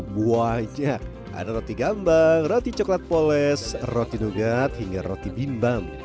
buahnya ada roti gambang roti coklat poles roti nugat hingga roti bimbang